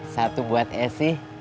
satu buat esy